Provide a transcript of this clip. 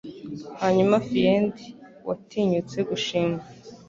Hanyuma fiend watinyutse gushima